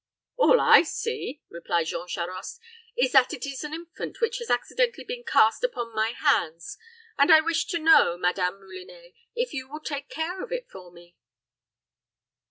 "All I see," replied Jean Charost, "is, that it is an infant which has accidentally been cast upon my hands; and I wish to know, Madame Moulinet, if you will take care of it for me?"